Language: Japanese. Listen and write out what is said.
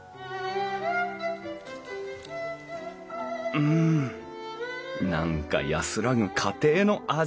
うん何か安らぐ家庭の味。